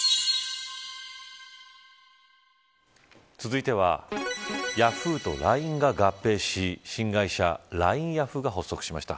続いてはヤフーとＬＩＮＥが合併し新会社ＬＩＮＥヤフーが補足しました。